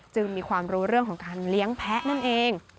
จึงมีความรู้เรื่องของการเลี้ยงแพ้นั่นเอง